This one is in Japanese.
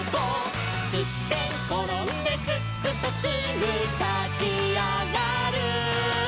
「すってんころんですっくとすぐたちあがる」